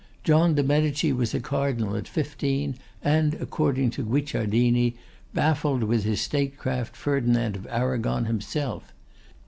John de Medici was a Cardinal at fifteen, and according to Guicciardini, baffled with his statecraft Ferdinand of Arragon himself.